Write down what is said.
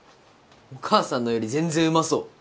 お母さんのより全然うまそう。